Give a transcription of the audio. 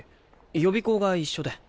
予備校が一緒で。